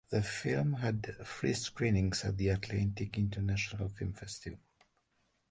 The film had three screenings at the Atlantic International Film Festival.